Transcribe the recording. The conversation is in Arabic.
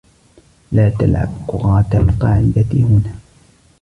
لا تلعب كرة القاعدة هنا.